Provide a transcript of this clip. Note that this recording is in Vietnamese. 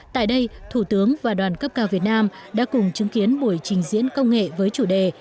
tại đây thủ tướng và đoàn cấp cao việt nam đã cùng chứng kiến buổi trình diễn công nghệ với chủ đề